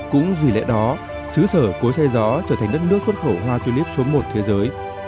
cũng vì lẽ đó sứ sở cối xe gió trở thành đất nước xuất khẩu hoa tulip số một thế giới